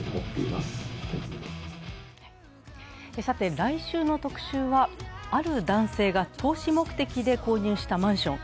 来週の特集は、ある男性が投資目的で購入したマンション。